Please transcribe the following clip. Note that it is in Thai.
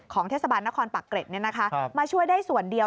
เทศบาลนครปากเกร็ดมาช่วยได้ส่วนเดียว